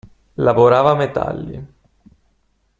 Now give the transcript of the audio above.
Lavorava metalli.